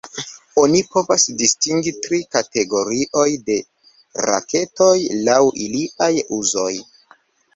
Oni povas distingi tri kategorioj de raketoj laŭ iliaj uzoj.